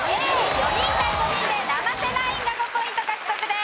４人対５人で生瀬ナインが５ポイント獲得です。